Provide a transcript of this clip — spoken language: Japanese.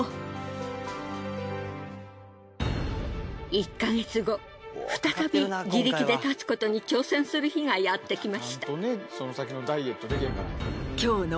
１ヵ月後再び自力で立つことに挑戦する日がやってきました。